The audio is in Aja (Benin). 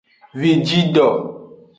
Vijido.